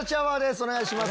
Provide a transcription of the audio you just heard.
お願いします。